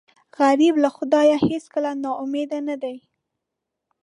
غریب له خدایه هېڅکله نا امیده نه دی